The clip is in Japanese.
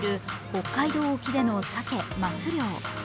北海道沖でのサケ・マス漁。